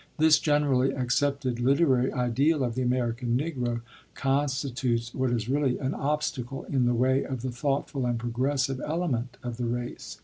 This generally accepted literary ideal of the American Negro constitutes what is really an obstacle in the way of the thoughtful and progressive element of the race.